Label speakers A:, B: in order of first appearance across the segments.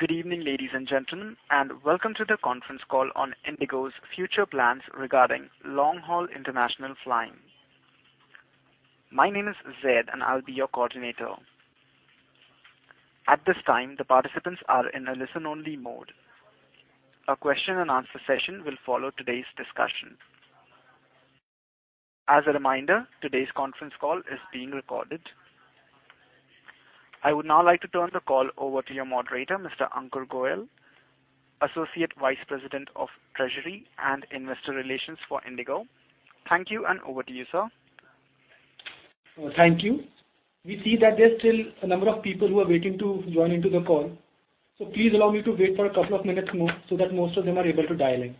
A: Good evening, ladies and gentlemen, welcome to the conference call on IndiGo's future plans regarding long-haul international flying. My name is Zedd, I'll be your coordinator. At this time, the participants are in a listen-only mode. A question and answer session will follow today's discussion. As a reminder, today's conference call is being recorded. I would now like to turn the call over to your Moderator, Mr. Ankur Goel, Associate Vice President of Treasury and Investor Relations for IndiGo. Thank you, over to you, sir.
B: Thank you. We see that there's still a number of people who are waiting to join the call, please allow me to wait for a couple of minutes more so that most of them are able to dial in.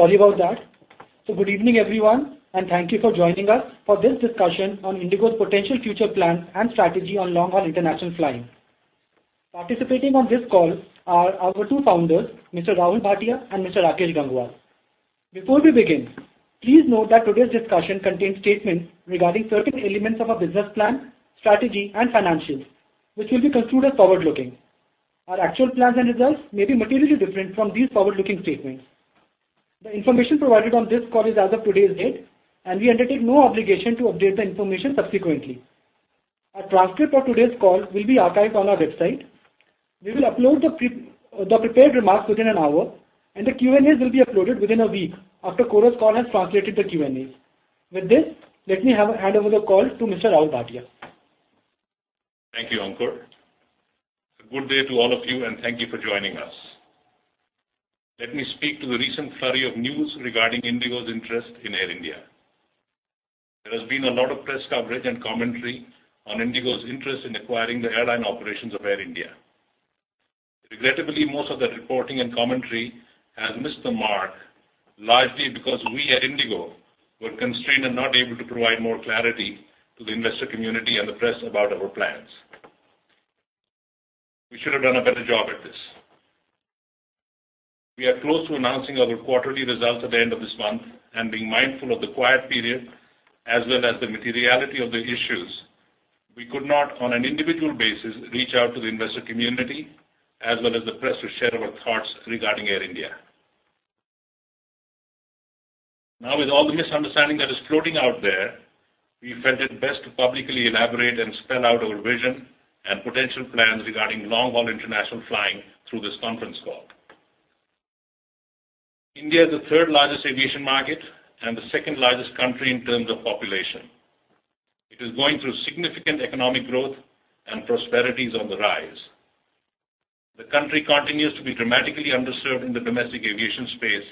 B: Sorry about that. Good evening, everyone, thank you for joining us for this discussion on IndiGo's potential future plans and strategy on long-haul international flying. Participating on this call are our two founders, Mr. Rahul Bhatia and Mr. Rakesh Gangwal. Before we begin, please note that today's discussion contains statements regarding certain elements of our business plan, strategy, and financials, which will be construed as forward-looking. Our actual plans and results may be materially different from these forward-looking statements. The information provided on this call is as of today's date, we undertake no obligation to update the information subsequently. A transcript of today's call will be archived on our website. We will upload the prepared remarks within an hour, the Q&As will be uploaded within a week after Chorus Call has translated the Q&As. With this, let me hand over the call to Mr. Rahul Bhatia.
C: Thank you, Ankur. Good day to all of you, thank you for joining us. Let me speak to the recent flurry of news regarding IndiGo's interest in Air India. There has been a lot of press coverage and commentary on IndiGo's interest in acquiring the airline operations of Air India. Regrettably, most of the reporting and commentary has missed the mark, largely because we at IndiGo were constrained and not able to provide more clarity to the investor community and the press about our plans. We should have done a better job at this. We are close to announcing our quarterly results at the end of this month, being mindful of the quiet period as well as the materiality of the issues. We could not, on an individual basis, reach out to the investor community as well as the press to share our thoughts regarding Air India. With all the misunderstanding that is floating out there, we felt it best to publicly elaborate and spell out our vision and potential plans regarding long-haul international flying through this conference call. India is the third-largest aviation market and the second-largest country in terms of population. It is going through significant economic growth and prosperity is on the rise. The country continues to be dramatically underserved in the domestic aviation space,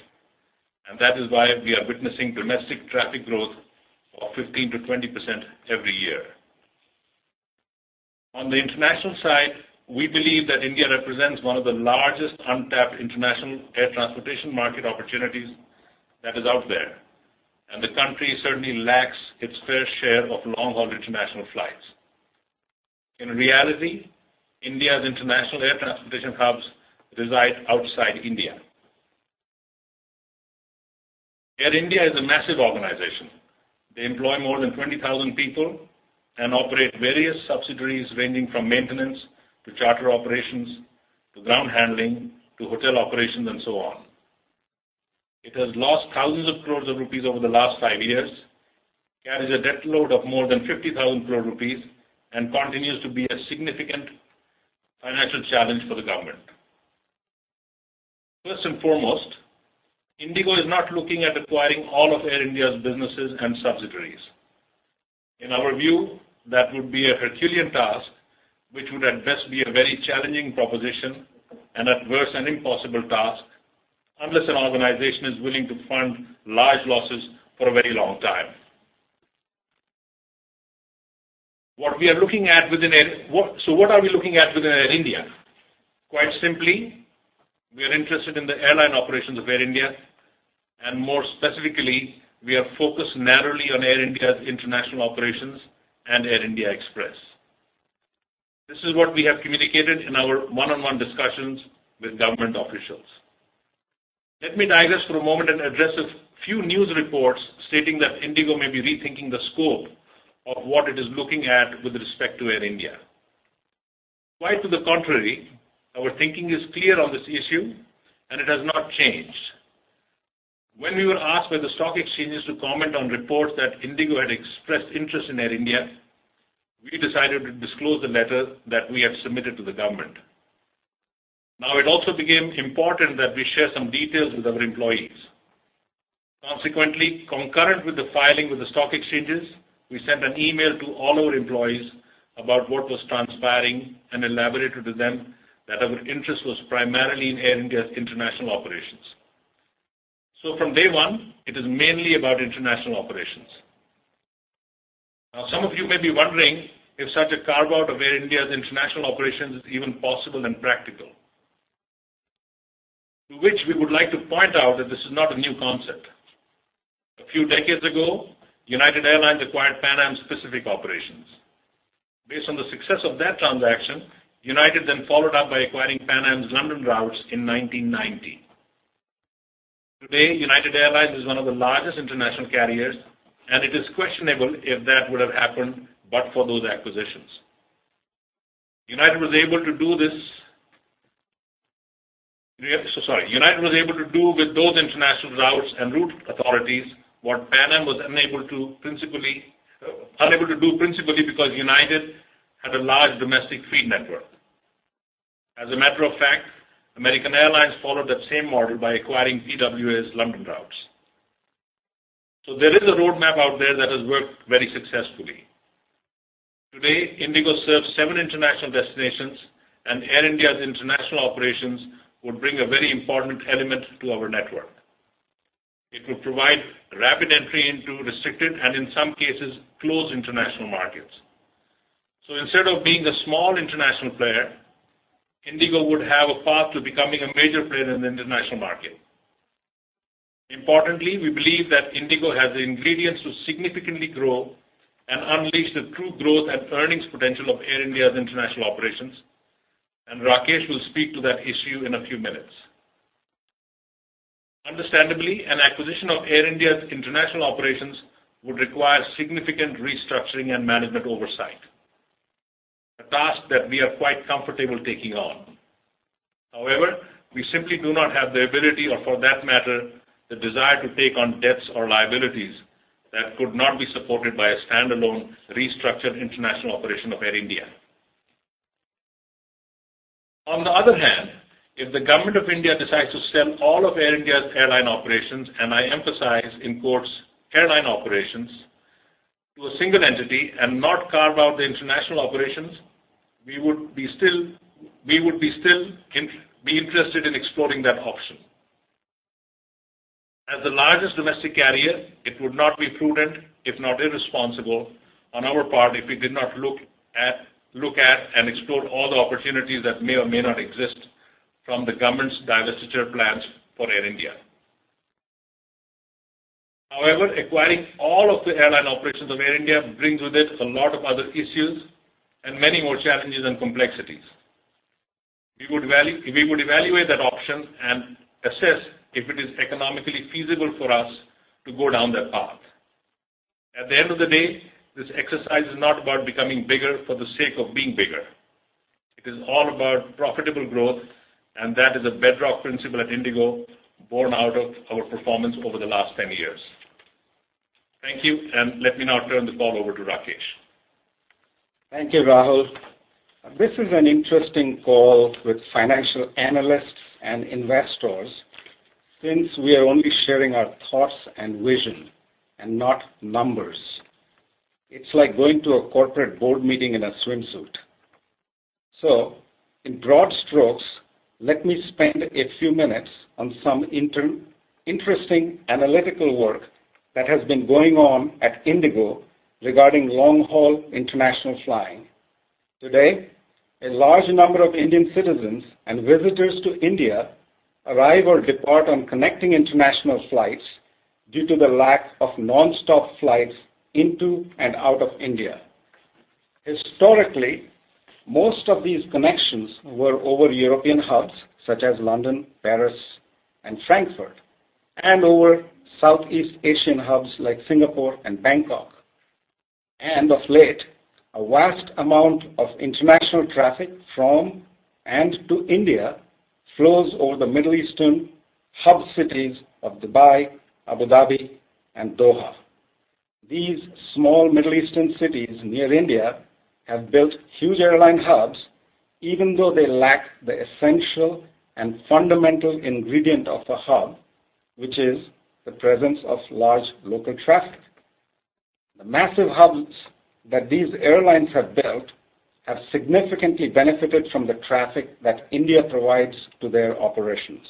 C: and that is why we are witnessing domestic traffic growth of 15%-20% every year. On the international side, we believe that India represents one of the largest untapped international air transportation market opportunities that is out there, and the country certainly lacks its fair share of long-haul international flights. In reality, India's international air transportation hubs reside outside India. Air India is a massive organization. They employ more than 20,000 people and operate various subsidiaries ranging from maintenance to charter operations to ground handling to hotel operations and so on. It has lost thousands of crore rupees over the last five years, carries a debt load of more than 50,000 crore rupees, and continues to be a significant financial challenge for the government. First and foremost, IndiGo is not looking at acquiring all of Air India's businesses and subsidiaries. In our view, that would be a Herculean task, which would at best be a very challenging proposition and at worst an impossible task, unless an organization is willing to fund large losses for a very long time. What are we looking at within Air India? Quite simply, we are interested in the airline operations of Air India, and more specifically, we are focused narrowly on Air India's international operations and Air India Express. This is what we have communicated in our one-on-one discussions with government officials. Let me digress for a moment and address a few news reports stating that IndiGo may be rethinking the scope of what it is looking at with respect to Air India. Quite to the contrary, our thinking is clear on this issue and it has not changed. When we were asked by the stock exchanges to comment on reports that IndiGo had expressed interest in Air India, we decided to disclose the letter that we had submitted to the government. It also became important that we share some details with our employees. Consequently, concurrent with the filing with the stock exchanges, we sent an email to all our employees about what was transpiring and elaborated to them that our interest was primarily in Air India's international operations. From day one, it is mainly about international operations. Some of you may be wondering if such a carve-out of Air India's international operations is even possible and practical. To which we would like to point out that this is not a new concept. A few decades ago, United Airlines acquired Pan Am's Pacific operations. Based on the success of that transaction, United then followed up by acquiring Pan Am's London routes in 1990. Today, United Airlines is one of the largest international carriers, and it is questionable if that would have happened but for those acquisitions. United was able to do with those international routes and route authorities what Pan Am was unable to do principally because United had a large domestic feed network. As a matter of fact, American Airlines followed that same model by acquiring TWA's London routes. There is a roadmap out there that has worked very successfully. Today, IndiGo serves seven international destinations, Air India's international operations would bring a very important element to our network. It would provide rapid entry into restricted and, in some cases, closed international markets. Instead of being a small international player, IndiGo would have a path to becoming a major player in the international market. Importantly, we believe that IndiGo has the ingredients to significantly grow and unleash the true growth and earnings potential of Air India's international operations, and Rakesh will speak to that issue in a few minutes. Understandably, an acquisition of Air India's international operations would require significant restructuring and management oversight. A task that we are quite comfortable taking on. We simply do not have the ability or, for that matter, the desire to take on debts or liabilities that could not be supported by a standalone, restructured international operation of Air India. If the government of India decides to sell all of Air India's airline operations, and I emphasize, in quotes, "airline operations," to a single entity and not carve out the international operations, we would still be interested in exploring that option. As the largest domestic carrier, it would not be prudent, if not irresponsible on our part if we did not look at and explore all the opportunities that may or may not exist from the government's divestiture plans for Air India. Acquiring all of the airline operations of Air India brings with it a lot of other issues and many more challenges and complexities. We would evaluate that option and assess if it is economically feasible for us to go down that path. At the end of the day, this exercise is not about becoming bigger for the sake of being bigger. It is all about profitable growth, and that is a bedrock principle at IndiGo born out of our performance over the last 10 years. Thank you, let me now turn the call over to Rakesh.
D: Thank you, Rahul. This is an interesting call with financial analysts and investors since we are only sharing our thoughts and vision and not numbers. It's like going to a corporate board meeting in a swimsuit. In broad strokes, let me spend a few minutes on some interesting analytical work that has been going on at IndiGo regarding long-haul international flying. Today, a large number of Indian citizens and visitors to India arrive or depart on connecting international flights due to the lack of non-stop flights into and out of India. Historically, most of these connections were over European hubs such as London, Paris, and Frankfurt, and over Southeast Asian hubs like Singapore and Bangkok. Of late, a vast amount of international traffic from and to India flows over the Middle Eastern hub cities of Dubai, Abu Dhabi, and Doha. These small Middle Eastern cities near India have built huge airline hubs even though they lack the essential and fundamental ingredient of a hub, which is the presence of large local traffic. The massive hubs that these airlines have built have significantly benefited from the traffic that India provides to their operations.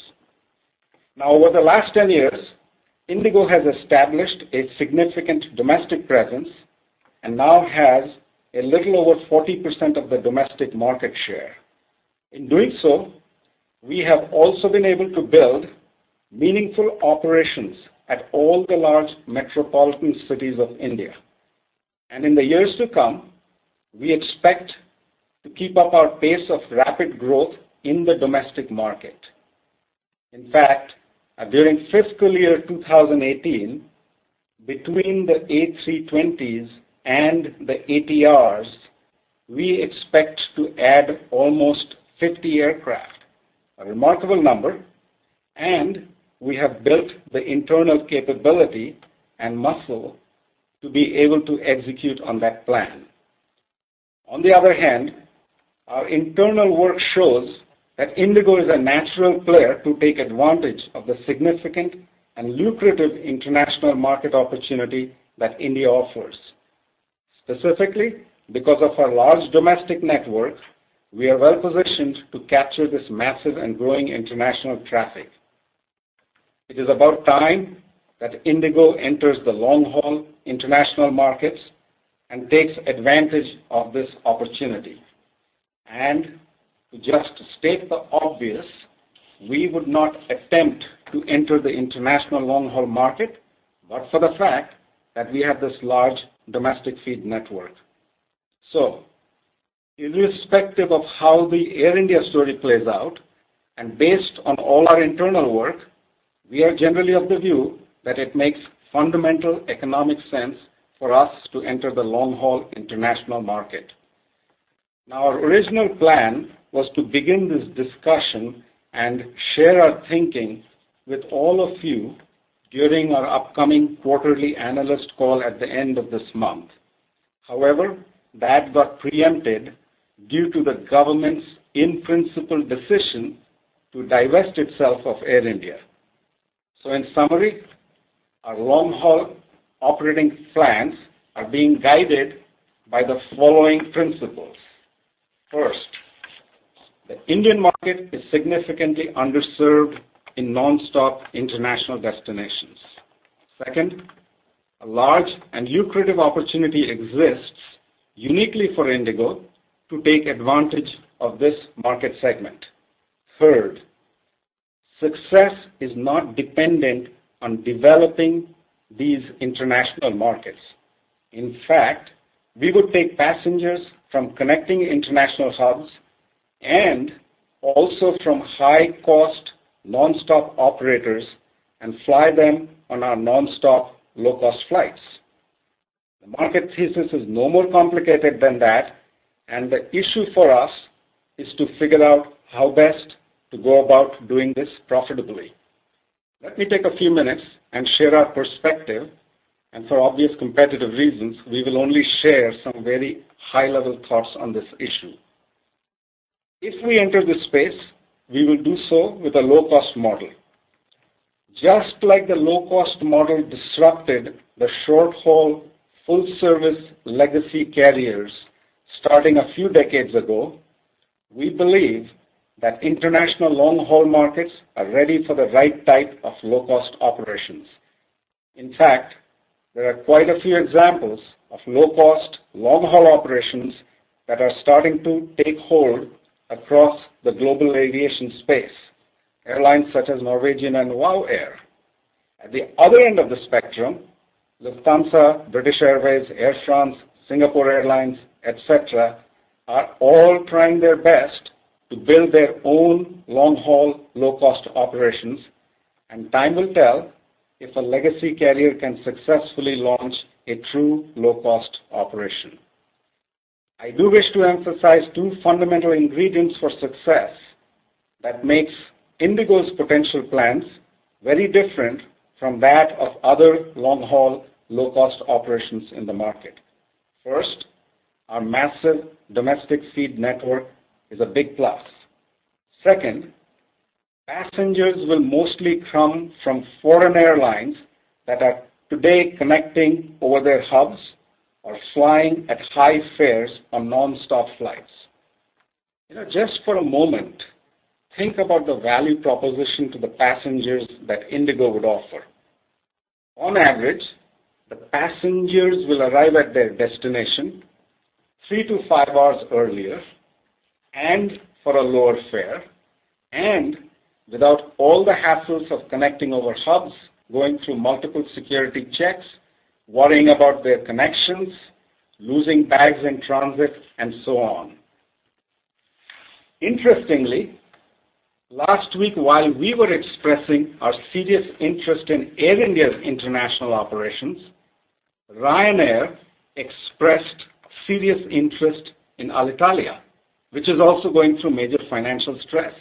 D: Over the last 10 years, IndiGo has established a significant domestic presence and now has a little over 40% of the domestic market share. In doing so, we have also been able to build meaningful operations at all the large metropolitan cities of India. In the years to come, we expect to keep up our pace of rapid growth in the domestic market. In fact, during fiscal year 2018, between the A320s and the ATRs, we expect to add almost 50 aircraft, a remarkable number. We have built the internal capability and muscle to be able to execute on that plan. On the other hand, our internal work shows that IndiGo is a natural player to take advantage of the significant and lucrative international market opportunity that India offers. Specifically, because of our large domestic network, we are well-positioned to capture this massive and growing international traffic. It is about time that IndiGo enters the long-haul international markets and takes advantage of this opportunity. To just state the obvious, we would not attempt to enter the international long-haul market, but for the fact that we have this large domestic feed network. Irrespective of how the Air India story plays out and based on all our internal work, we are generally of the view that it makes fundamental economic sense for us to enter the long-haul international market. Our original plan was to begin this discussion and share our thinking with all of you during our upcoming quarterly analyst call at the end of this month. However, that got preempted due to the government's in-principle decision to divest itself of Air India. In summary, our long-haul operating plans are being guided by the following principles. First, the Indian market is significantly underserved in non-stop international destinations. Second, a large and lucrative opportunity exists uniquely for IndiGo to take advantage of this market segment. Third, success is not dependent on developing these international markets. In fact, we would take passengers from connecting international hubs and also from high-cost non-stop operators and fly them on our non-stop low-cost flights. The market thesis is no more complicated than that. The issue for us is to figure out how best to go about doing this profitably. Let me take a few minutes and share our perspective. For obvious competitive reasons, we will only share some very high-level thoughts on this issue. If we enter this space, we will do so with a low-cost model. Just like the low-cost model disrupted the short-haul, full-service legacy carriers starting a few decades ago, we believe that international long-haul markets are ready for the right type of low-cost operations. In fact, there are quite a few examples of low-cost long-haul operations that are starting to take hold across the global aviation space. Airlines such as Norwegian and WOW Air. At the other end of the spectrum, Lufthansa, British Airways, Air France, Singapore Airlines, et cetera, are all trying their best to build their own long-haul, low-cost operations. Time will tell if a legacy carrier can successfully launch a true low-cost operation. I do wish to emphasize two fundamental ingredients for success that makes IndiGo's potential plans very different from that of other long-haul, low-cost operations in the market. First, our massive domestic feed network is a big plus. Second, passengers will mostly come from foreign airlines that are today connecting over their hubs or flying at high fares on non-stop flights. Just for a moment, think about the value proposition to the passengers that IndiGo would offer. On average, the passengers will arrive at their destination three to five hours earlier and for a lower fare. Without all the hassles of connecting over hubs, going through multiple security checks, worrying about their connections, losing bags in transit, and so on. Interestingly, last week while we were expressing our serious interest in Air India's international operations, Ryanair expressed serious interest in Alitalia, which is also going through major financial stress.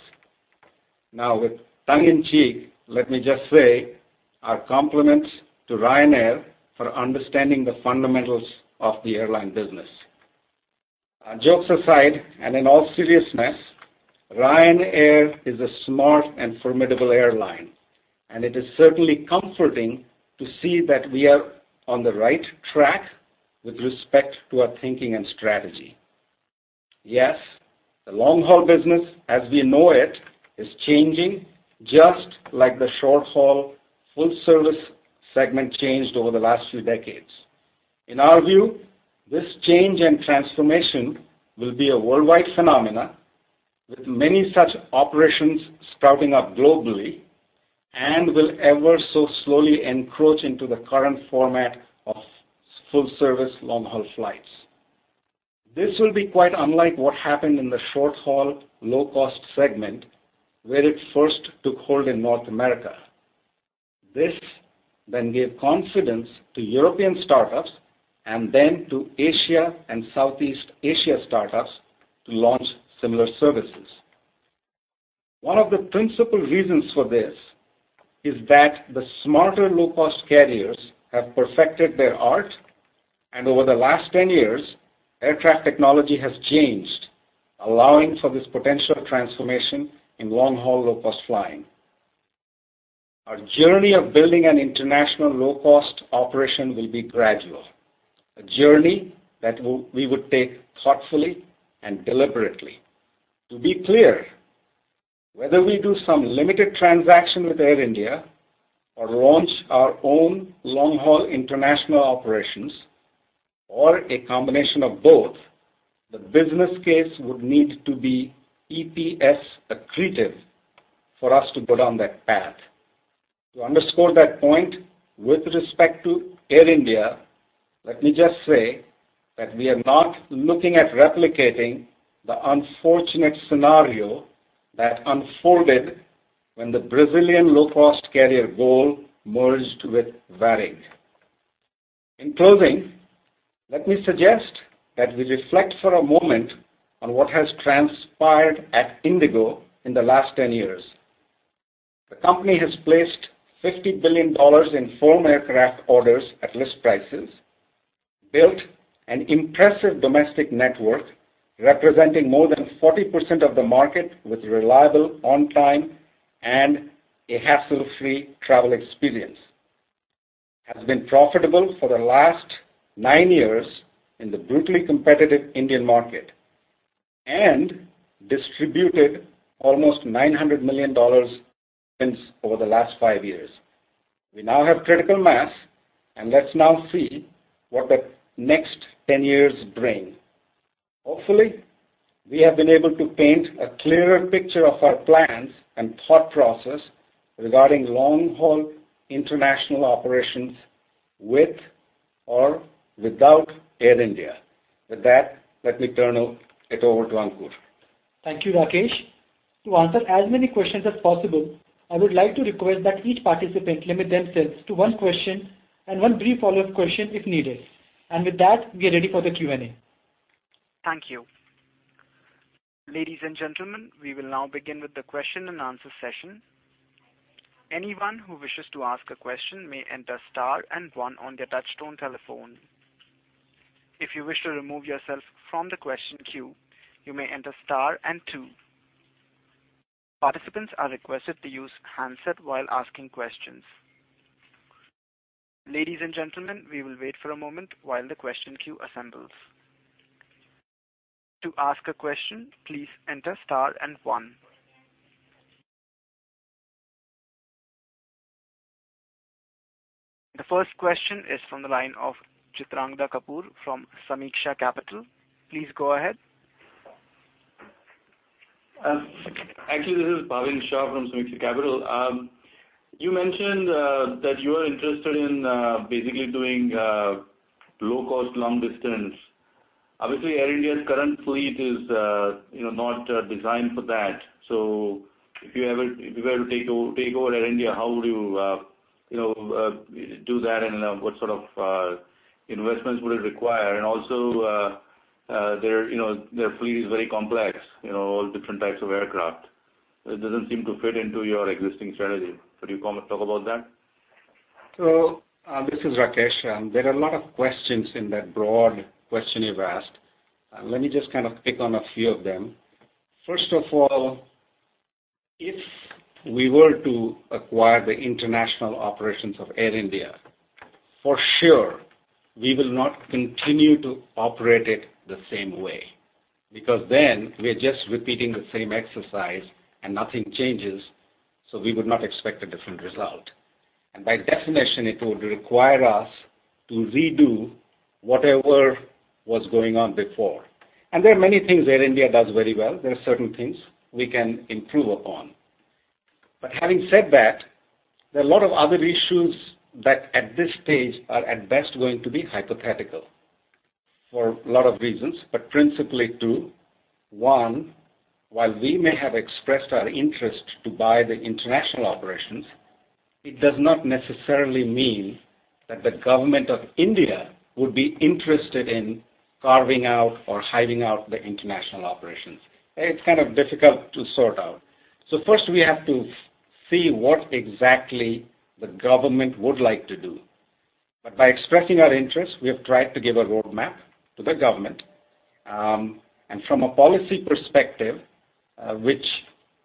D: With tongue in cheek, let me just say our compliments to Ryanair for understanding the fundamentals of the airline business. Jokes aside, in all seriousness, Ryanair is a smart and formidable airline. It is certainly comforting to see that we are on the right track with respect to our thinking and strategy. Yes, the long-haul business as we know it is changing just like the short-haul full service segment changed over the last few decades. In our view, this change and transformation will be a worldwide phenomenon with many such operations sprouting up globally and will ever so slowly encroach into the current format of full-service long-haul flights. This will be quite unlike what happened in the short-haul, low-cost segment, where it first took hold in North America. This gave confidence to European startups and then to Asia and Southeast Asia startups to launch similar services. One of the principal reasons for this is that the smarter low-cost carriers have perfected their art. Over the last 10 years, aircraft technology has changed, allowing for this potential transformation in long-haul, low-cost flying. Our journey of building an international low-cost operation will be gradual. A journey that we would take thoughtfully and deliberately. To be clear, whether we do some limited transaction with Air India or launch our own long-haul international operations or a combination of both, the business case would need to be EPS accretive for us to go down that path. To underscore that point with respect to Air India, let me just say that we are not looking at replicating the unfortunate scenario that unfolded when the Brazilian low-cost carrier, Gol, merged with Varig. In closing, let me suggest that we reflect for a moment on what has transpired at IndiGo in the last 10 years. The company has placed INR 50 billion in firm aircraft orders at list prices, built an impressive domestic network representing more than 40% of the market with reliable, on-time, and a hassle-free travel experience. Has been profitable for the last nine years in the brutally competitive Indian market and distributed almost $900 million since over the last five years. We now have critical mass, let's now see what the next 10 years bring. Hopefully, we have been able to paint a clearer picture of our plans and thought process regarding long-haul international operations with or without Air India. With that, let me turn it over to Ankur.
B: Thank you, Rakesh. To answer as many questions as possible, I would like to request that each participant limit themselves to one question and one brief follow-up question if needed. With that, we are ready for the Q&A.
A: Thank you. Ladies and gentlemen, we will now begin with the question and answer session. Anyone who wishes to ask a question may enter star and one on their touchtone telephone. If you wish to remove yourself from the question queue, you may enter star and two. Participants are requested to use handset while asking questions. Ladies and gentlemen, we will wait for a moment while the question queue assembles. To ask a question, please enter star and one. The first question is from the line of Chitrangada Kapur from Sameeksha Capital. Please go ahead.
E: Actually, this is Bhavin Shah from Sameeksha Capital. You mentioned that you are interested in basically doing low-cost long distance. Obviously, Air India's current fleet is not designed for that. If you were to take over Air India, how would you do that, and what sort of investments would it require? Also their fleet is very complex, all different types of aircraft. It doesn't seem to fit into your existing strategy. Could you talk about that?
D: This is Rakesh. There are a lot of questions in that broad question you've asked. Let me just kind of pick on a few of them. First of all, if we were to acquire the international operations of Air India, for sure, we will not continue to operate it the same way, because then we are just repeating the same exercise and nothing changes, so we would not expect a different result. By definition, it would require us to redo whatever was going on before. There are many things Air India does very well. There are certain things we can improve upon. Having said that, there are a lot of other issues that at this stage are at best going to be hypothetical for a lot of reasons, but principally two. One, while we may have expressed our interest to buy the international operations, it does not necessarily mean that the government of India would be interested in carving out or hiving out the international operations. It's kind of difficult to sort out. First, we have to see what exactly the government would like to do. By expressing our interest, we have tried to give a roadmap to the government. From a policy perspective, which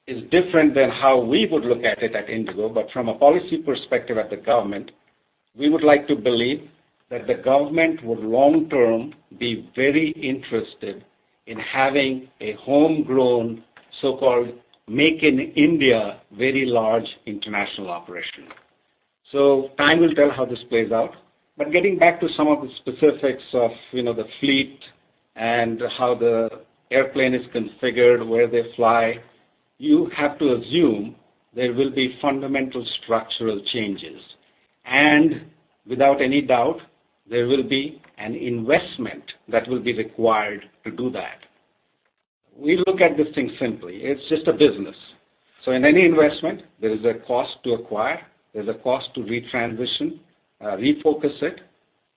D: is different than how we would look at it at IndiGo, from a policy perspective at the government, we would like to believe that the government would long-term be very interested in having a homegrown, so-called Make in India, very large international operation. Time will tell how this plays out. Getting back to some of the specifics of the fleet and how the airplane is configured, where they fly, you have to assume there will be fundamental structural changes. Without any doubt, there will be an investment that will be required to do that. We look at this thing simply. It's just a business. In any investment, there is a cost to acquire, there's a cost to retransition, refocus it.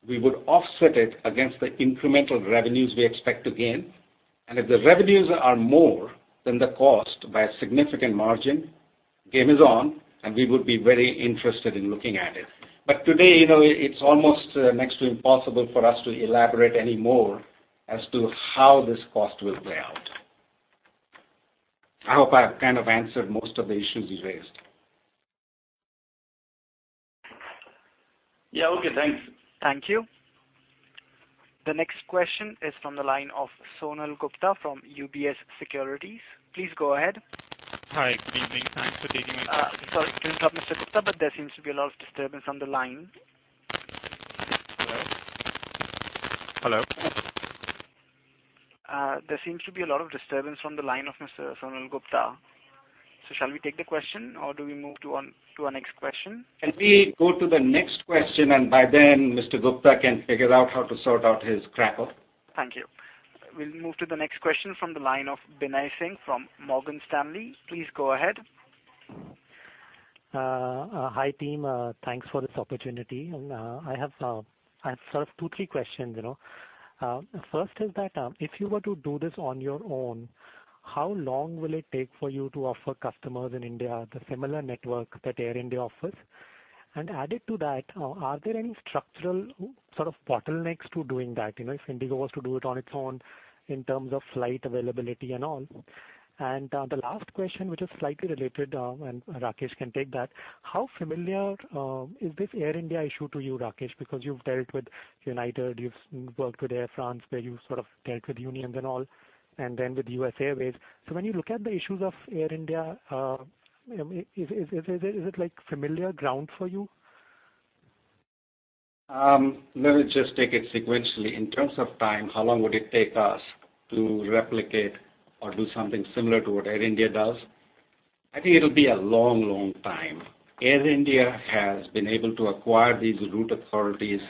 D: We would offset it against the incremental revenues we expect to gain. If the revenues are more than the cost by a significant margin, game is on, and we would be very interested in looking at it. Today, it's almost next to impossible for us to elaborate any more as to how this cost will play out. I hope I've kind of answered most of the issues you raised.
E: Yeah. Okay, thanks.
A: Thank you. The next question is from the line of Sonal Gupta from UBS Securities. Please go ahead.
F: Hi, good evening. Thanks for taking my call.
A: Sorry to interrupt, Ms. Gupta, but there seems to be a lot of disturbance on the line.
F: Hello? Hello?
A: There seems to be a lot of disturbance from the line of Mr. Sonal Gupta. Shall we take the question or do we move to our next question?
D: Can we go to the next question, and by then Mr. Gupta can figure out how to sort out his crackle?
A: Thank you. We'll move to the next question from the line of Binay Singh from Morgan Stanley. Please go ahead.
G: Hi, team. Thanks for this opportunity. I have first two, three questions. First is that if you were to do this on your own, how long will it take for you to offer customers in India the similar network that Air India offers? Added to that, are there any structural sort of bottlenecks to doing that if IndiGo was to do it on its own in terms of flight availability and all? The last question, which is slightly related, Rakesh can take that, how familiar is this Air India issue to you, Rakesh? Because you've dealt with United, you've worked with Air France, where you sort of dealt with unions and all, and then with US Airways. When you look at the issues of Air India, is it familiar ground for you?
D: Let me just take it sequentially. In terms of time, how long would it take us to replicate or do something similar to what Air India does? I think it'll be a long time. Air India has been able to acquire these route authorities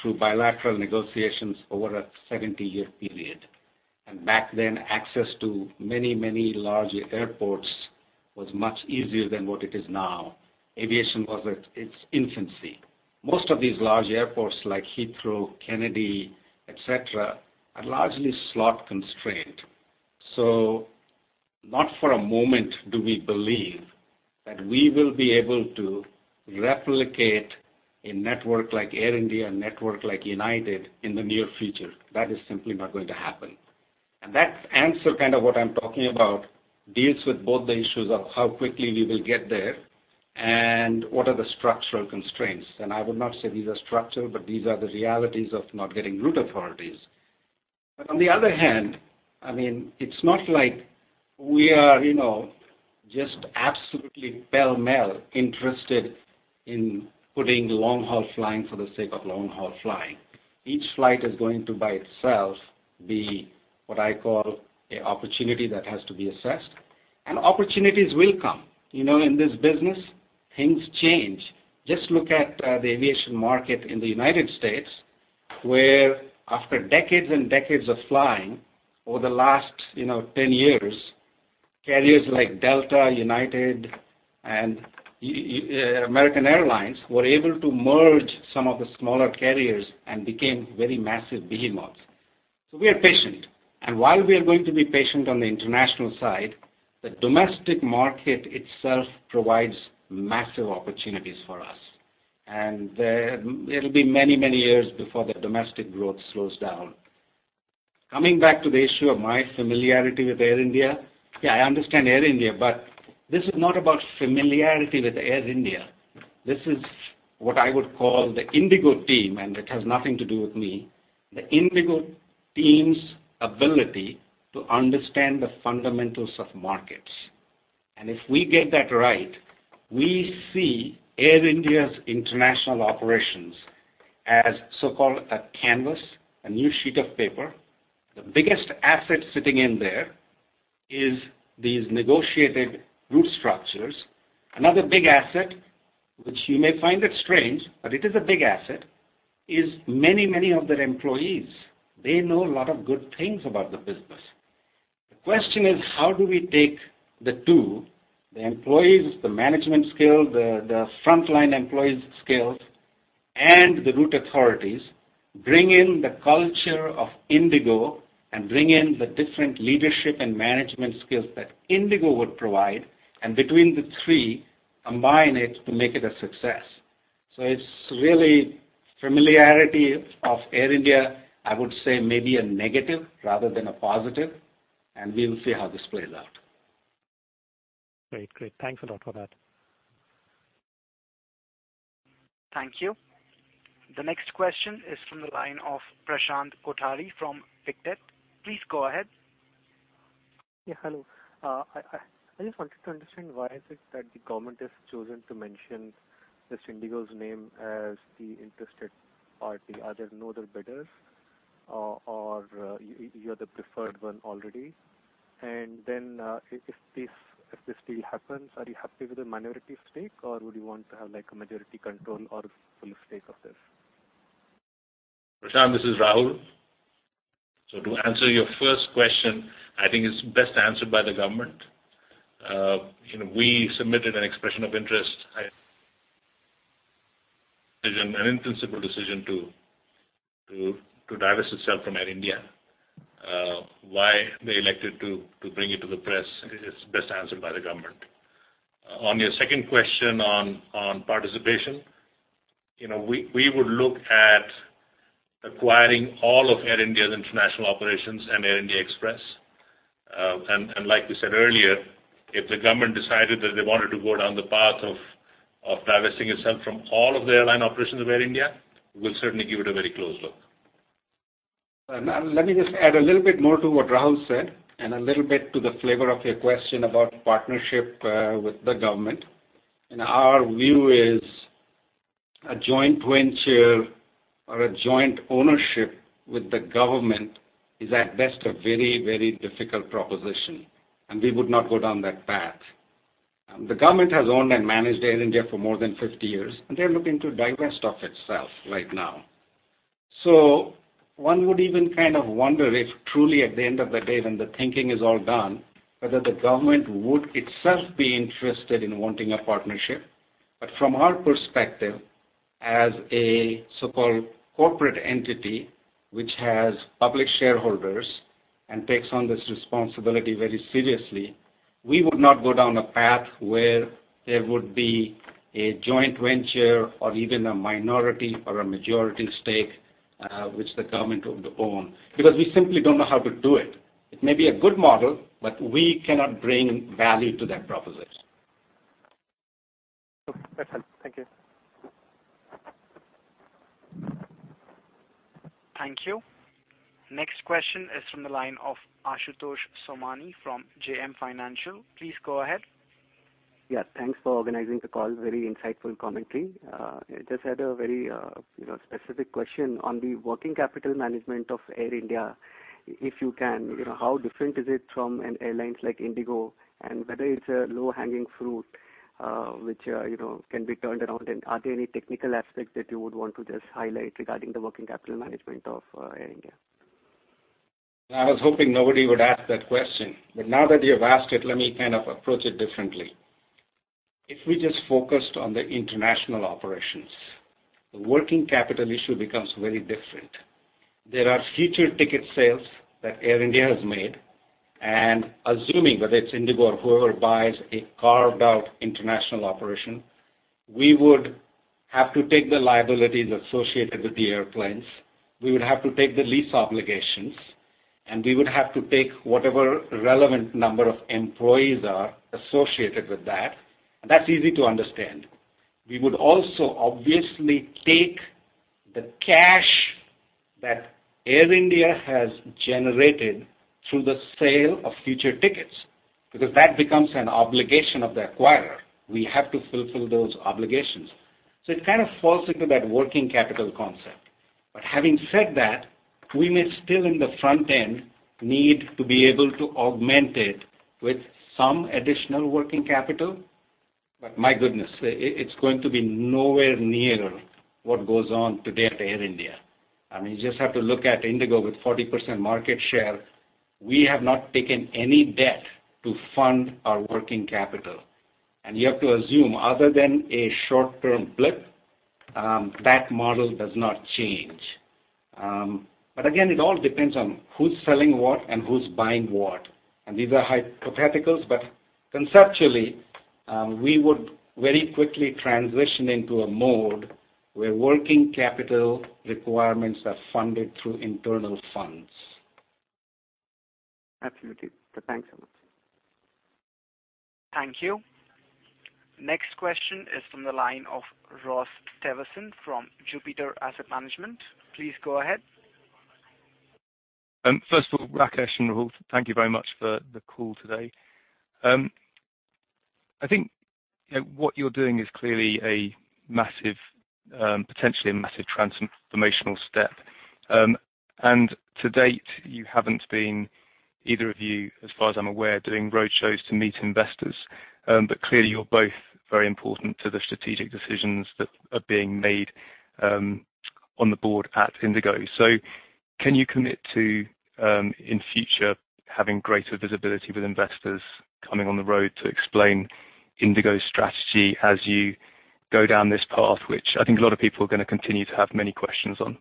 D: through bilateral negotiations over a 70-year period, and back then, access to many large airports was much easier than what it is now. Aviation was at its infancy. Most of these large airports, like Heathrow, Kennedy, et cetera, are largely slot-constrained. Not for a moment do we believe that we will be able to replicate a network like Air India and network like United in the near future. That is simply not going to happen. That answer, kind of what I'm talking about, deals with both the issues of how quickly we will get there and what are the structural constraints. I would not say these are structural, but these are the realities of not getting route authorities. On the other hand, it's not like we are just absolutely pell-mell interested in putting long-haul flying for the sake of long-haul flying. Each flight is going to by itself be what I call an opportunity that has to be assessed. Opportunities will come. In this business, things change. Just look at the aviation market in the U.S., where after decades and decades of flying, over the last 10 years, carriers like Delta, United, and American Airlines were able to merge some of the smaller carriers and became very massive behemoths. We are patient. While we are going to be patient on the international side, the domestic market itself provides massive opportunities for us. It'll be many years before the domestic growth slows down. Coming back to the issue of my familiarity with Air India, yeah, I understand Air India, but this is not about familiarity with Air India. This is what I would call the IndiGo team, and it has nothing to do with me. The IndiGo team's ability to understand the fundamentals of markets. If we get that right, we see Air India's international operations as so-called a canvas, a new sheet of paper. The biggest asset sitting in there is these negotiated route structures. Another big asset, which you may find it strange, but it is a big asset, is many of their employees. They know a lot of good things about the business. The question is, how do we take the two, the employees, the management skill, the frontline employees' skills, and the route authorities, bring in the culture of IndiGo and bring in the different leadership and management skills that IndiGo would provide, and between the three, combine it to make it a success? It's really familiarity of Air India, I would say maybe a negative rather than a positive, and we will see how this plays out.
G: Great. Thanks a lot for that.
A: Thank you. The next question is from the line of Prashant Kothari from Pictet. Please go ahead.
H: Hello. I just wanted to understand why is it that the government has chosen to mention just IndiGo's name as the interested party. Are there no other bidders? You're the preferred one already? If this deal happens, are you happy with the minority stake, or would you want to have a majority control or full stake of this?
C: Prashant, this is Rahul. To answer your first question, I think it's best answered by the government. We submitted an expression of interest. An intrinsic decision to divest itself from Air India. Why they elected to bring it to the press is best answered by the government. On your second question on participation, we would look at acquiring all of Air India's international operations and Air India Express. Like we said earlier, if the government decided that they wanted to go down the path of divesting itself from all of the airline operations of Air India, we'll certainly give it a very close look.
D: Let me just add a little bit more to what Rahul said and a little bit to the flavor of your question about partnership with the government. Our view is a joint venture or a joint ownership with the government is, at best, a very difficult proposition, and we would not go down that path. The government has owned and managed Air India for more than 50 years, and they're looking to divest off itself right now. One would even wonder if truly at the end of the day, when the thinking is all done, whether the government would itself be interested in wanting a partnership. From our perspective, as a so-called corporate entity, which has public shareholders and takes on this responsibility very seriously, we would not go down a path where there would be a joint venture or even a minority or a majority stake, which the government would own, because we simply don't know how to do it. It may be a good model, but we cannot bring value to that proposition.
H: That's it. Thank you.
A: Thank you. Next question is from the line of Ashutosh Somani from JM Financial. Please go ahead.
I: Thanks for organizing the call. Very insightful commentary. I just had a very specific question on the working capital management of Air India, if you can. How different is it from an airline like IndiGo? Whether it's a low-hanging fruit, which can be turned around? Are there any technical aspects that you would want to just highlight regarding the working capital management of Air India?
D: I was hoping nobody would ask that question, now that you have asked it, let me approach it differently. If we just focused on the international operations, the working capital issue becomes very different. There are future ticket sales that Air India has made, assuming whether it's IndiGo or whoever buys a carved-out international operation, we would have to take the liabilities associated with the airplanes. We would have to take the lease obligations, we would have to take whatever relevant number of employees are associated with that. That's easy to understand. We would also obviously take the cash that Air India has generated through the sale of future tickets, because that becomes an obligation of the acquirer. We have to fulfill those obligations. It kind of falls into that working capital concept. Having said that, we may still in the front end need to be able to augment it with some additional working capital. My goodness, it's going to be nowhere near what goes on today at Air India. You just have to look at IndiGo with 40% market share. We have not taken any debt to fund our working capital. You have to assume, other than a short-term blip, that model does not change. Again, it all depends on who's selling what and who's buying what. These are hypotheticals, conceptually, we would very quickly transition into a mode where working capital requirements are funded through internal funds.
I: Absolutely. Thanks so much.
A: Thank you. Next question is from the line of Ross Teverson from Jupiter Asset Management. Please go ahead.
J: First of all, Rakesh and Rahul, thank you very much for the call today. I think what you're doing is clearly potentially a massive transformational step. To date, you haven't been, either of you, as far as I'm aware, doing roadshows to meet investors. Clearly, you're both very important to the strategic decisions that are being made on the board at IndiGo. Can you commit to, in future, having greater visibility with investors coming on the road to explain IndiGo's strategy as you go down this path? Which I think a lot of people are going to continue to have many questions on.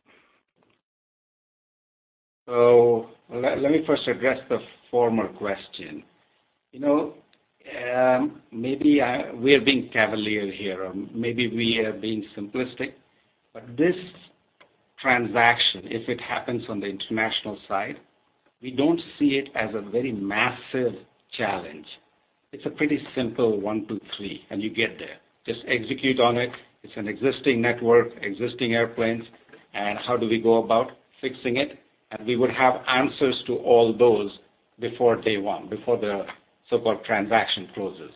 D: Let me first address the former question. Maybe we are being cavalier here, or maybe we are being simplistic. This transaction, if it happens on the international side, we don't see it as a very massive challenge. It's a pretty simple one, two, three, and you get there. Just execute on it. It's an existing network, existing airplanes. How do we go about fixing it? We would have answers to all those before day one, before the so-called transaction closes.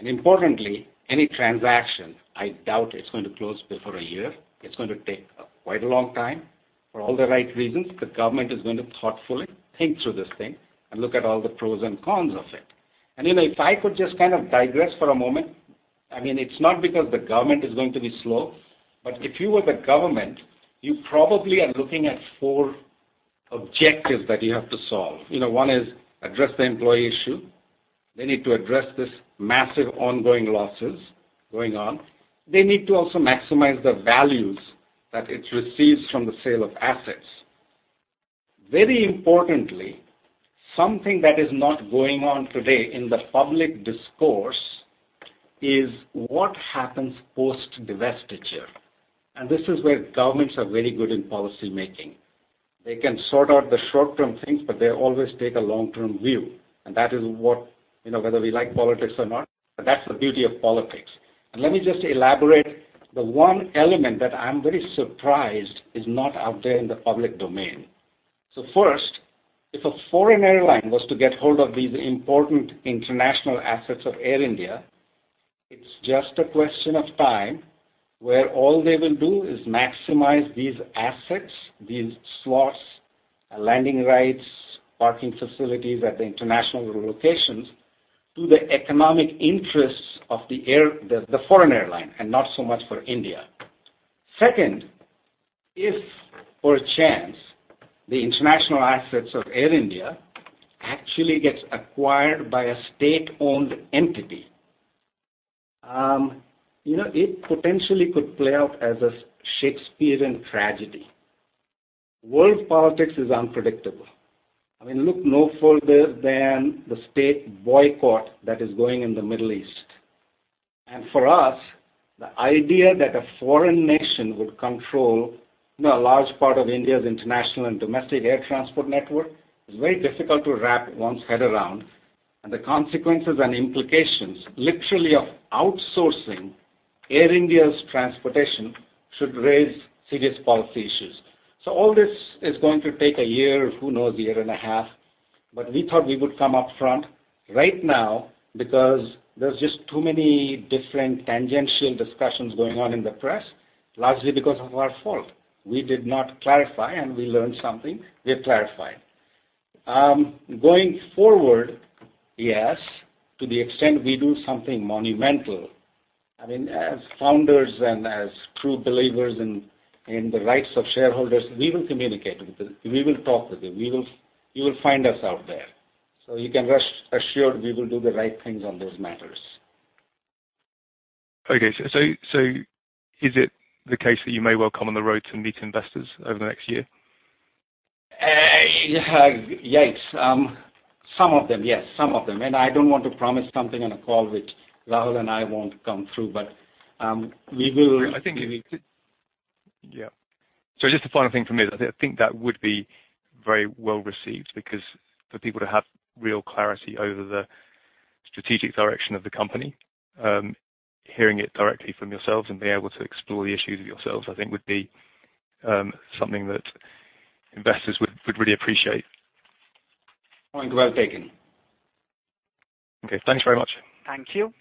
D: Importantly, any transaction, I doubt it's going to close before a year. It's going to take quite a long time. For all the right reasons, the government is going to thoughtfully think through this thing and look at all the pros and cons of it. If I could just digress for a moment, it's not because the government is going to be slow, but if you were the government, you probably are looking at four objectives that you have to solve. One is address the employee issue. They need to address this massive ongoing losses going on. They need to also maximize the values that it receives from the sale of assets. Very importantly, something that is not going on today in the public discourse is what happens post-divestiture. This is where governments are very good in policy making. They can sort out the short-term things, but they always take a long-term view, and whether we like politics or not, but that's the beauty of politics. Let me just elaborate the one element that I'm very surprised is not out there in the public domain. First, if a foreign airline was to get hold of these important international assets of Air India, it is just a question of time where all they will do is maximize these assets, these slots, landing rights, parking facilities at the international locations, to the economic interests of the foreign airline, and not so much for India. Second, if for a chance, the international assets of Air India actually gets acquired by a state-owned entity. It potentially could play out as a Shakespearean tragedy. World politics is unpredictable. Look no further than the state boycott that is going in the Middle East. For us, the idea that a foreign nation would control a large part of India's international and domestic air transport network is very difficult to wrap one's head around, and the consequences and implications, literally, of outsourcing Air India's transportation should raise serious policy issues. All this is going to take a year, who knows, a year and a half. We thought we would come up front right now because there's just too many different tangential discussions going on in the press, largely because of our fault. We did not clarify, and we learned something, we have clarified. Going forward, yes, to the extent we do something monumental. As founders and as true believers in the rights of shareholders, we will communicate with them. We will talk with them. You will find us out there. You can rest assured we will do the right things on those matters.
J: Okay. Is it the case that you may well come on the road to meet investors over the next year?
D: Yikes. Some of them, yes. Some of them. I don't want to promise something on a call which Rahul and I won't come through, but we will.
J: Yeah. Just a final thing from me is I think that would be very well-received because for people to have real clarity over the strategic direction of the company, hearing it directly from yourselves and being able to explore the issues with yourselves, I think would be something that investors would really appreciate.
D: Point well taken.
J: Okay. Thanks very much.
A: Thank you.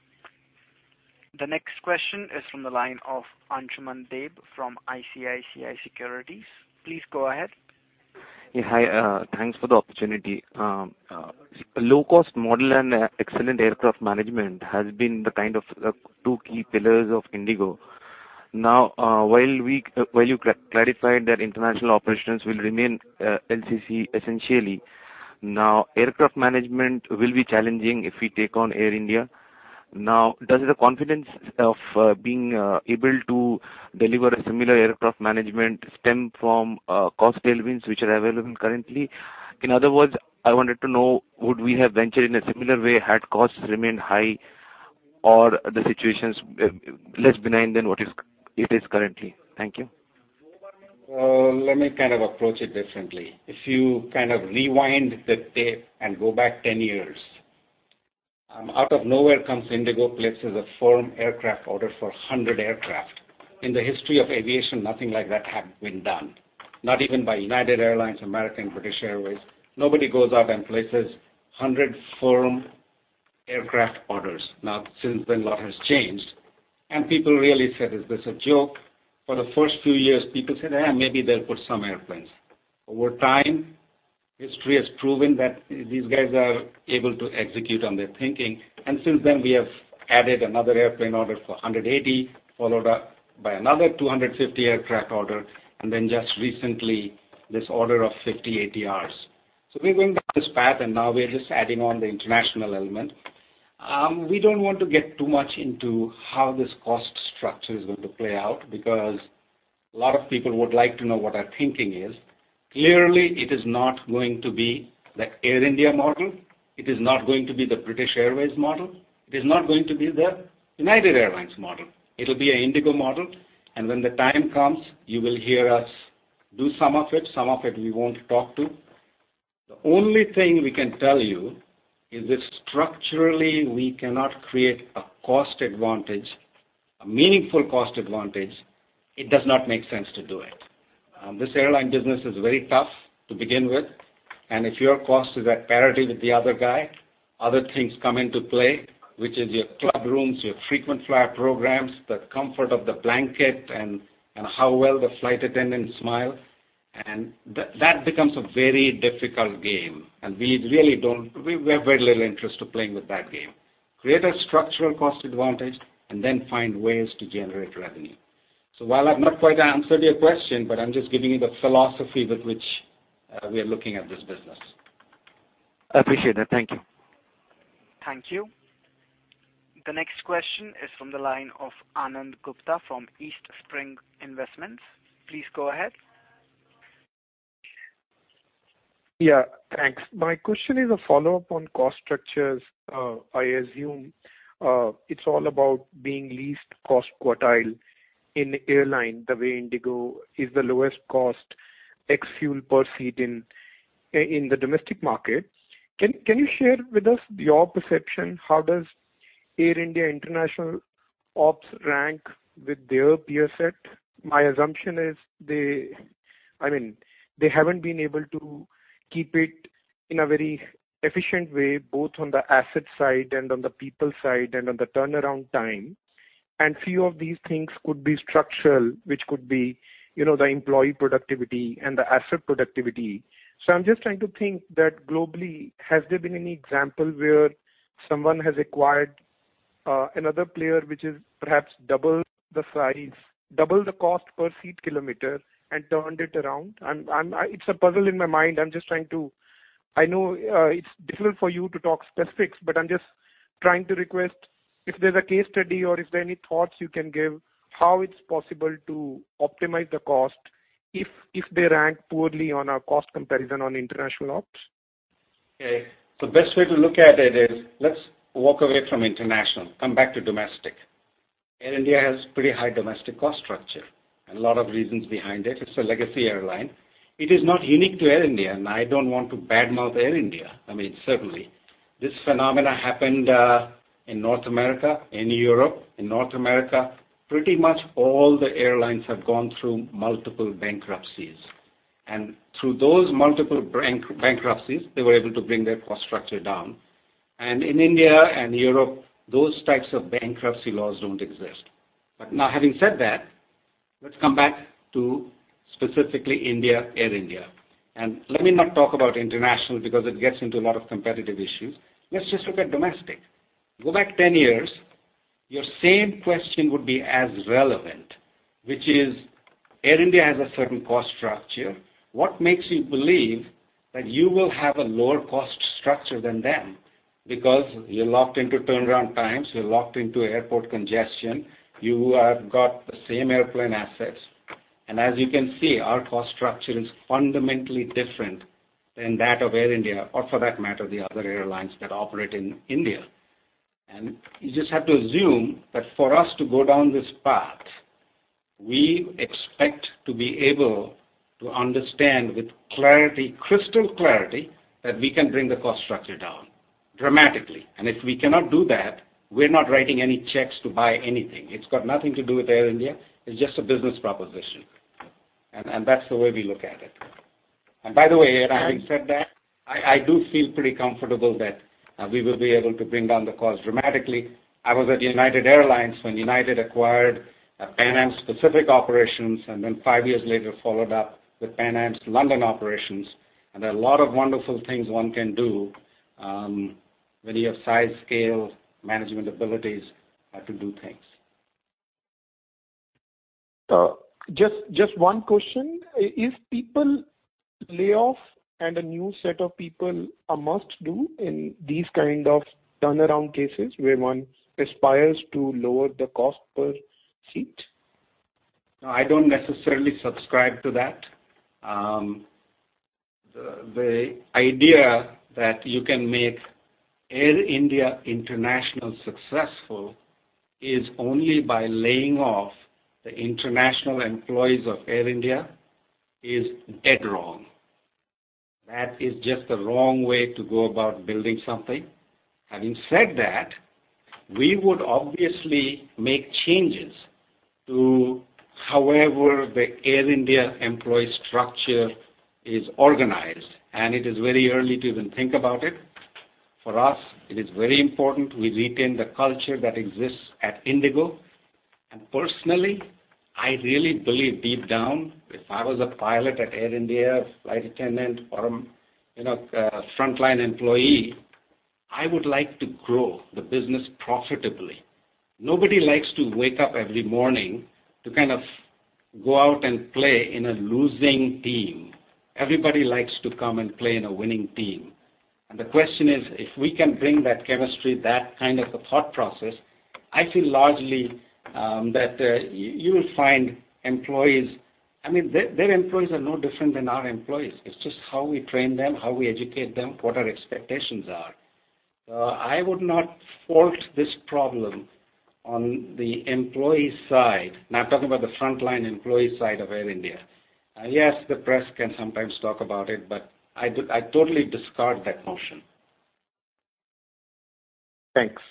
A: The next question is from the line of Ansuman Deb from ICICI Securities. Please go ahead.
K: Yeah. Hi, thanks for the opportunity. Low cost model and excellent aircraft management has been the kind of the two key pillars of IndiGo. While you clarified that international operations will remain LCC, essentially. Aircraft management will be challenging if we take on Air India. Does the confidence of being able to deliver a similar aircraft management stem from cost tailwinds, which are available currently? In other words, I wanted to know, would we have ventured in a similar way had costs remained high or the situations less benign than what it is currently? Thank you.
D: Let me approach it differently. If you rewind the tape and go back 10 years, out of nowhere comes IndiGo, places a firm aircraft order for 100 aircraft. In the history of aviation, nothing like that had been done. Not even by United Airlines, American, British Airways. Nobody goes out and places 100 firm aircraft orders. Since then, a lot has changed, and people really said, "Is this a joke?" For the first few years, people said, "Maybe they'll put some airplanes." Over time, history has proven that these guys are able to execute on their thinking, and since then, we have added another airplane order for 180, followed up by another 250 aircraft order, and then just recently, this order of 50 ATRs. We're going down this path, and now we are just adding on the international element. We don't want to get too much into how this cost structure is going to play out, because a lot of people would like to know what our thinking is. Clearly, it is not going to be the Air India model. It is not going to be the British Airways model. It is not going to be the United Airlines model. It'll be an IndiGo model. When the time comes, you will hear us do some of it. Some of it we won't talk to. The only thing we can tell you is that structurally, we cannot create a cost advantage, a meaningful cost advantage. It does not make sense to do it. This airline business is very tough to begin with. If your cost is at parity with the other guy, other things come into play, which is your club rooms, your frequent flyer programs, the comfort of the blanket, and how well the flight attendant smile. That becomes a very difficult game. We have very little interest to playing with that game. Create a structural cost advantage and then find ways to generate revenue. While I've not quite answered your question, but I'm just giving you the philosophy with which we are looking at this business.
K: I appreciate that. Thank you.
A: Thank you. The next question is from the line of Anand Gupta from Eastspring Investments. Please go ahead.
L: Thanks. My question is a follow-up on cost structures. I assume it's all about being least cost quartile in airline, the way IndiGo is the lowest cost ex-fuel per seat in the domestic market. Can you share with us your perception? How does Air India International ops rank with their peer set? My assumption is they haven't been able to keep it in a very efficient way, both on the asset side and on the people side and on the turnaround time. Few of these things could be structural, which could be the employee productivity and the asset productivity. I'm just trying to think that globally, has there been any example where someone has acquired another player, which is perhaps double the size, double the cost per seat kilometer and turned it around? It's a puzzle in my mind. I know it's difficult for you to talk specifics, I'm just trying to request if there's a case study or if there are any thoughts you can give how it's possible to optimize the cost if they rank poorly on a cost comparison on international ops.
D: Okay. The best way to look at it is let's walk away from international, come back to domestic. Air India has pretty high domestic cost structure and a lot of reasons behind it. It's a legacy airline. It is not unique to Air India, and I don't want to badmouth Air India. Certainly. This phenomena happened in North America, in Europe. In North America, pretty much all the airlines have gone through multiple bankruptcies. Through those multiple bankruptcies, they were able to bring their cost structure down. In India and Europe, those types of bankruptcy laws don't exist. Now, having said that, let's come back to specifically India, Air India. Let me not talk about international because it gets into a lot of competitive issues. Let's just look at domestic. Go back 10 years, your same question would be as relevant, which is Air India has a certain cost structure. What makes you believe that you will have a lower cost structure than them? Because you're locked into turnaround times, you're locked into airport congestion, you have got the same airplane assets. As you can see, our cost structure is fundamentally different than that of Air India or for that matter, the other airlines that operate in India. You just have to assume that for us to go down this path, we expect to be able to understand with crystal clarity that we can bring the cost structure down dramatically. If we cannot do that, we're not writing any checks to buy anything. It's got nothing to do with Air India. It's just a business proposition. That's the way we look at it. By the way, having said that, I do feel pretty comfortable that we will be able to bring down the cost dramatically. I was at United Airlines when United acquired Pan Am's specific operations. Then five years later followed up with Pan Am's London operations. There are a lot of wonderful things one can do when you have size, scale, management abilities to do things.
L: Just one question. Is people layoff and a new set of people a must-do in these kind of turnaround cases where one aspires to lower the cost per seat?
D: No, I don't necessarily subscribe to that. The idea that you can make Air India International successful is only by laying off the international employees of Air India is dead wrong. That is just the wrong way to go about building something. Having said that, we would obviously make changes to however the Air India employee structure is organized, it is very early to even think about it. For us, it is very important we retain the culture that exists at IndiGo. Personally, I really believe deep down, if I was a pilot at Air India, flight attendant or a frontline employee, I would like to grow the business profitably. Nobody likes to wake up every morning to go out and play in a losing team. Everybody likes to come and play in a winning team. The question is, if we can bring that chemistry, that kind of a thought process, I feel largely that you will find employees. Their employees are no different than our employees. It's just how we train them, how we educate them, what our expectations are. I would not fault this problem on the employee side. Now I'm talking about the frontline employee side of Air India. Yes, the press can sometimes talk about it, I totally discard that notion. Thanks.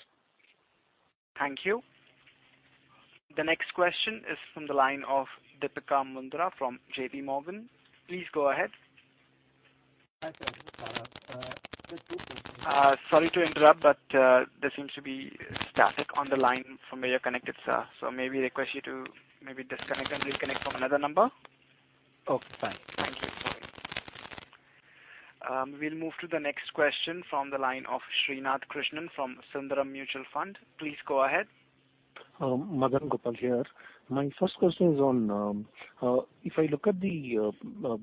A: Thank you. The next question is from the line of Deepika Mundra from J.P. Morgan. Please go ahead.
M: Hi, thank you.
A: Sorry to interrupt. There seems to be static on the line from where you're connected, sir. May we request you to maybe disconnect and reconnect from another number?
M: Okay, fine. Thank you. Sorry. We'll move to the next question from the line of Srinath Krishnan from Sundaram Mutual Fund. Please go ahead.
N: Madhanagopal Ramamoorthy here. My first question is on, if I look at the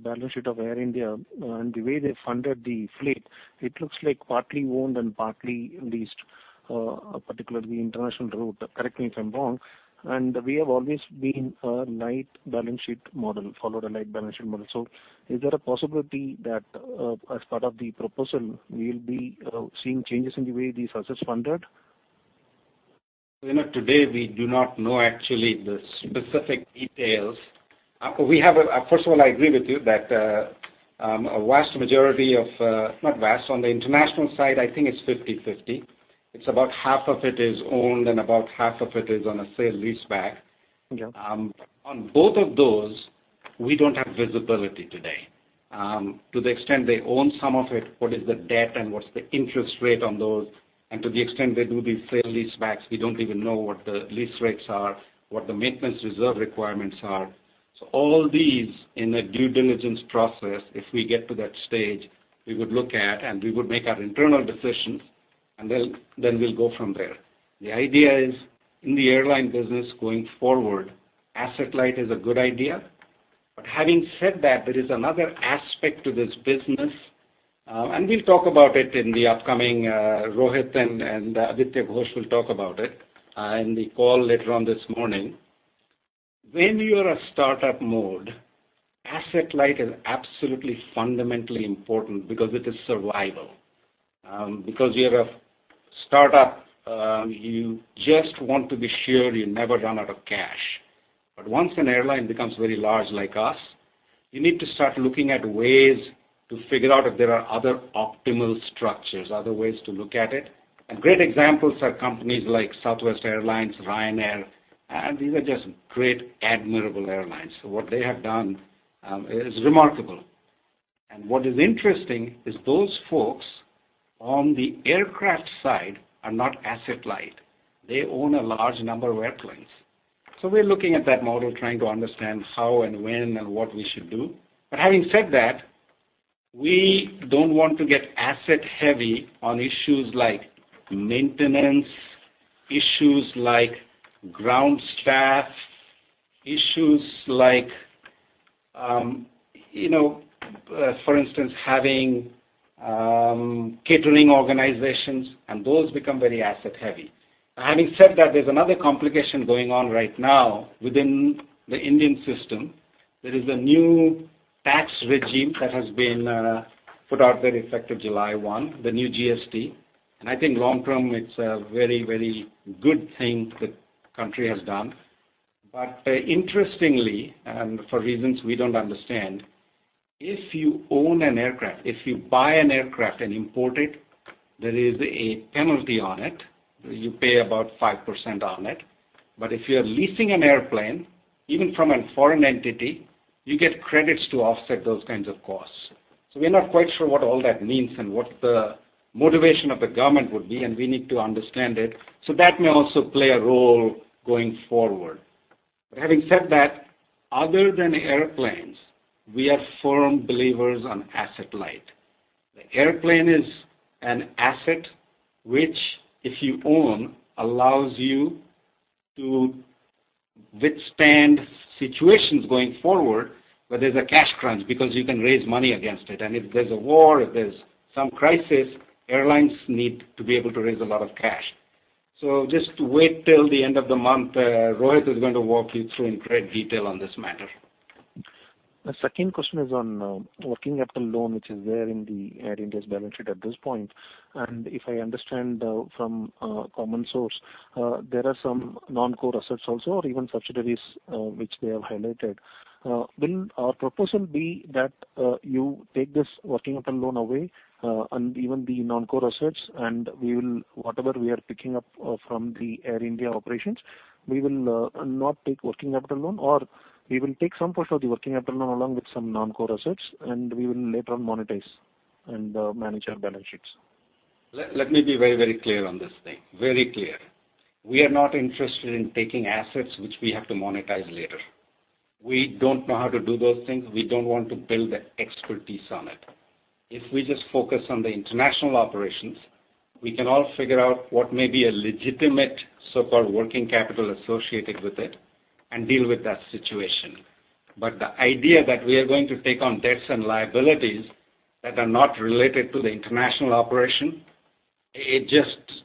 N: balance sheet of Air India and the way they funded the fleet, it looks like partly owned and partly leased, particularly international route. Correct me if I'm wrong. We have always been a light balance sheet model, followed a light balance sheet model. Is there a possibility that as part of the proposal, we'll be seeing changes in the way the assets funded?
D: Srinath, today we do not know actually the specific details. First of all, I agree with you that a vast majority of Not vast. On the international side, I think it's 50/50. It's about half of it is owned and about half of it is on a sale-leaseback.
N: Okay.
D: On both of those, we don't have visibility today. To the extent they own some of it, what is the debt and what's the interest rate on those? To the extent they do the sale-leasebacks, we don't even know what the lease rates are, what the maintenance reserve requirements are. All these in a due diligence process, if we get to that stage, we would look at and we would make our internal decisions, and then we'll go from there. The idea is in the airline business going forward, asset-light is a good idea. Having said that, there is another aspect to this business, and we'll talk about it in the upcoming, Rohit and Aditya Ghosh will talk about it in the call later on this morning. When you're a startup mode, asset-light is absolutely fundamentally important because it is survival. Because you're a startup, you just want to be sure you never run out of cash. Once an airline becomes very large like us, you need to start looking at ways to figure out if there are other optimal structures, other ways to look at it. Great examples are companies like Southwest Airlines, Ryanair, and these are just great, admirable airlines. What they have done is remarkable. What is interesting is those folks on the aircraft side are not asset-light. They own a large number of airplanes. We're looking at that model, trying to understand how and when and what we should do. Having said that, we don't want to get asset-heavy on issues like maintenance, issues like ground staff, issues like for instance, having catering organizations, and those become very asset-heavy. Having said that, there's another complication going on right now within the Indian system. There is a new tax regime that has been put out very effective July 1, the new GST, and I think long-term, it's a very good thing the country has done. Interestingly, and for reasons we don't understand, if you own an aircraft, if you buy an aircraft and import it, there is a penalty on it. You pay about 5% on it. If you are leasing an airplane, even from a foreign entity, you get credits to offset those kinds of costs. We're not quite sure what all that means and what the motivation of the government would be, and we need to understand it. That may also play a role going forward. Having said that, other than airplanes, we are firm believers on asset-light. The airplane is an asset, which if you own, allows you to withstand situations going forward where there is a cash crunch because you can raise money against it. If there is a war, if there is some crisis, airlines need to be able to raise a lot of cash. Just wait till the end of the month. Rohit is going to walk you through in great detail on this matter.
N: The second question is on working capital loan, which is there in the Air India's balance sheet at this point. If I understand from a common source, there are some non-core assets also, or even subsidiaries, which they have highlighted. Will our proposal be that, you take this working capital loan away, and even the non-core assets and whatever we are picking up from the Air India operations, we will not take working capital loan, or we will take some portion of the working capital loan along with some non-core assets, and we will later on monetize and manage our balance sheets?
D: Let me be very clear on this thing. Very clear. We are not interested in taking assets which we have to monetize later. We do not know how to do those things. We do not want to build expertise on it. If we just focus on the international operations, we can all figure out what may be a legitimate so-called working capital associated with it and deal with that situation. The idea that we are going to take on debts and liabilities that are not related to the international operation, it just is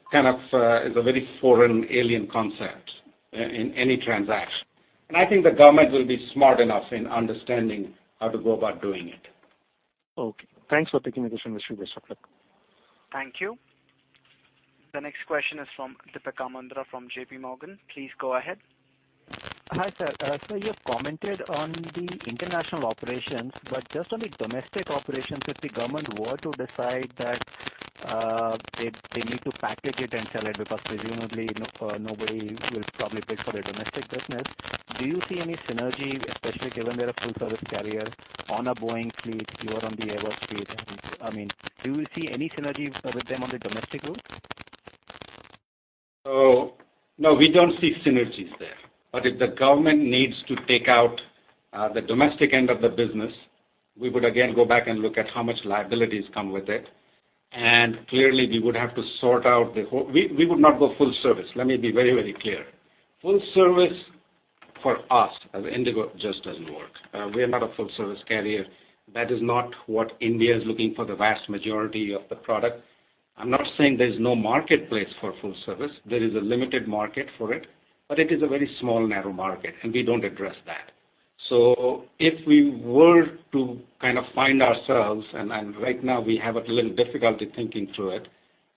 D: a very foreign, alien concept in any transaction. I think the government will be smart enough in understanding how to go about doing it.
N: Okay. Thanks for taking the question. I appreciate it.
A: Thank you. The next question is from Deepika Mundra from J.P. Morgan. Please go ahead.
M: Hi, sir. Sir, you have commented on the international operations. Just on the domestic operations, if the government were to decide that they need to package it and sell it, because presumably nobody will probably bid for the domestic business, do you see any synergy, especially given they're a full-service carrier on a Boeing fleet, you are on the Airbus fleet. Do you see any synergy with them on the domestic route?
D: No, we don't see synergies there. If the government needs to take out the domestic end of the business, we would again go back and look at how much liabilities come with it. Clearly, we would have to sort out the whole. We would not go full service. Let me be very clear. Full service for us as IndiGo, just doesn't work. We are not a full-service carrier. That is not what India is looking for the vast majority of the product. I'm not saying there's no marketplace for full service. There is a limited market for it, but it is a very small, narrow market, and we don't address that. If we were to find ourselves, and right now we have a little difficulty thinking through it,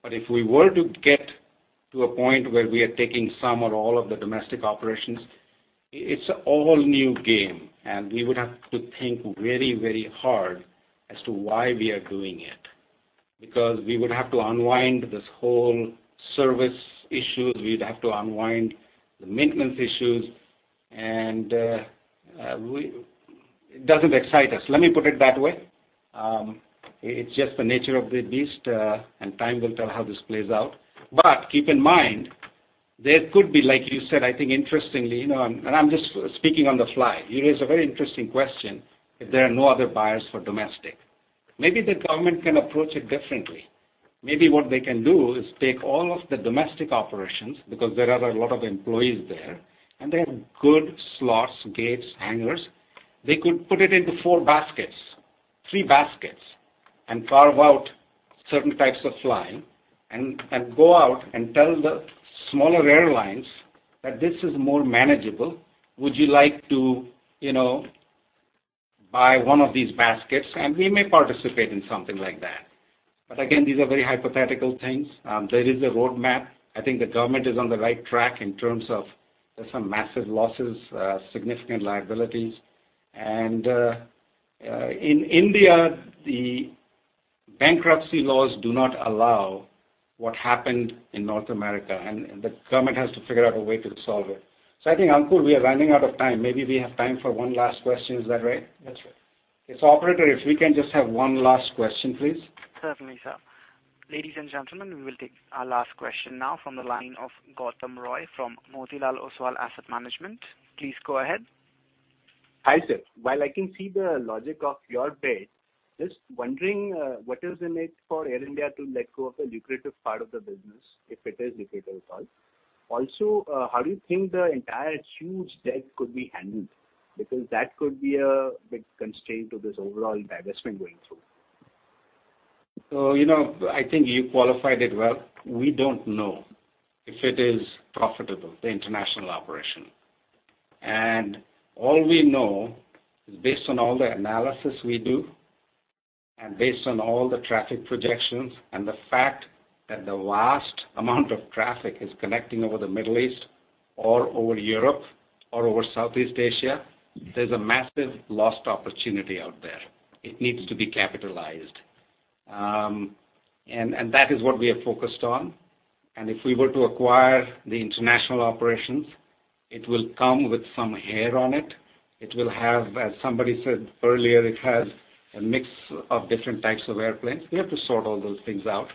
D: if we were to get to a point where we are taking some or all of the domestic operations, it's an all-new game, and we would have to think very hard as to why we are doing it. We would have to unwind this whole service issue, we'd have to unwind the maintenance issues, and it doesn't excite us. Let me put it that way. It's just the nature of the beast, and time will tell how this plays out. Keep in mind, there could be, like you said, I think interestingly. I'm just speaking on the fly. You raise a very interesting question, if there are no other buyers for domestic. Maybe the government can approach it differently. Maybe what they can do is take all of the domestic operations, because there are a lot of employees there, and they have good slots, gates, hangars. They could put it into four baskets, three baskets, and carve out certain types of flying, and go out and tell the smaller airlines that this is more manageable. Would you like to buy one of these baskets? We may participate in something like that. Again, these are very hypothetical things. There is a roadmap. I think the government is on the right track in terms of there's some massive losses, significant liabilities. In India, the bankruptcy laws do not allow what happened in North America, and the government has to figure out a way to solve it. I think, Ankur, we are running out of time. Maybe we have time for one last question. Is that right?
A: That's right.
D: Okay, operator, if we can just have one last question, please.
A: Certainly, sir. Ladies and gentlemen, we will take our last question now from the line of Gautam Roy from Motilal Oswal Asset Management. Please go ahead.
O: Hi, sir. While I can see the logic of your bid, just wondering what is in it for Air India to let go of the lucrative part of the business, if it is lucrative at all. How do you think the entire huge debt could be handled? That could be a big constraint to this overall divestment going through.
D: I think you qualified it well. We don't know if it is profitable, the international operation. All we know is based on all the analysis we do, and based on all the traffic projections, and the fact that the vast amount of traffic is connecting over the Middle East or over Europe or over Southeast Asia, there's a massive lost opportunity out there. It needs to be capitalized. That is what we are focused on. If we were to acquire the international operations, it will come with some hair on it. It will have, as somebody said earlier, it has a mix of different types of airplanes. We have to sort all those things out.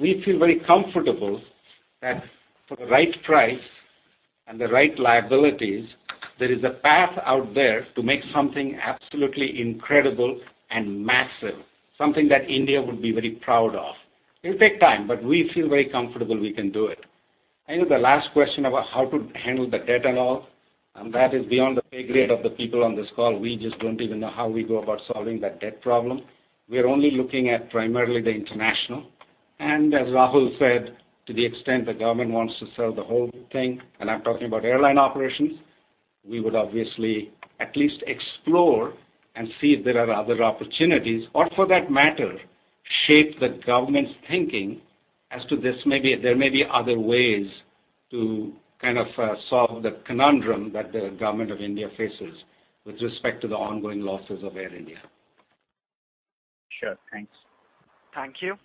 D: We feel very comfortable that for the right price and the right liabilities, there is a path out there to make something absolutely incredible and massive, something that India would be very proud of. It'll take time. We feel very comfortable we can do it. I think the last question about how to handle the debt and all, that is beyond the pay grade of the people on this call. We just don't even know how we go about solving that debt problem. We are only looking at primarily the international. As Rahul said, to the extent the government wants to sell the whole thing, and I'm talking about airline operations, we would obviously at least explore and see if there are other opportunities or for that matter, shape the government's thinking as to this. There may be other ways to solve the conundrum that the government of India faces with respect to the ongoing losses of Air India.
O: Sure. Thanks.
A: Thank you.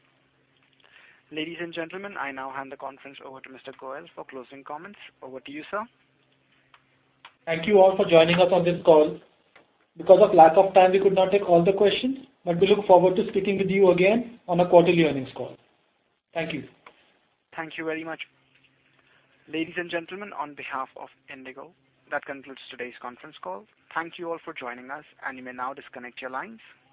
A: Ladies and gentlemen, I now hand the conference over to Mr. Goel for closing comments. Over to you, sir.
B: Thank you all for joining us on this call. Because of lack of time, we could not take all the questions, but we look forward to speaking with you again on a quarterly earnings call. Thank you. Thank you very much. Ladies and gentlemen, on behalf of IndiGo, that concludes today's conference call. Thank you all for joining us, and you may now disconnect your lines.